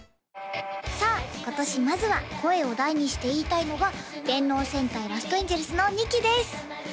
さあ今年まずは声を大にして言いたいのが「電脳戦隊ラストエンジェルス」の２期です！